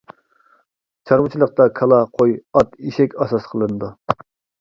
چارۋىچىلىقتا كالا، قوي، ئات، ئېشەك ئاساس قىلىنىدۇ.